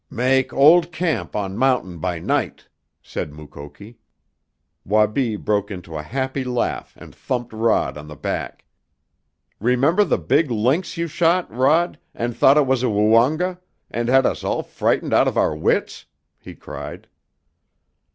"Mak' old camp on mountain by night," said Mukoki. Wabi broke into a happy laugh and thumped Rod on the back. "Remember the big lynx you shot, Rod, and thought it was a Woonga, and had us all frightened out of our wits?" he cried.